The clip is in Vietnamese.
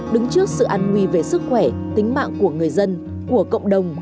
đứng trước sự an nguy về sức khỏe tính mạng của người dân của cộng đồng